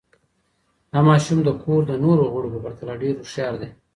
دا ماشوم د کور د نورو غړو په پرتله ډېر هوښیار دی.